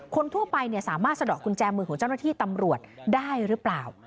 คนทั่วไปสามารถสะดอกกุญแจมือของเจ้าหน้าที่ตำรวจได้หรือเปล่า